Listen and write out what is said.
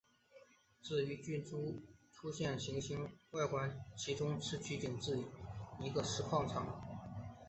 至于剧中出现的行星外观其实是取景自一个石矿场。